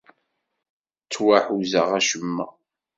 Ttwaḥuzaɣ acemma.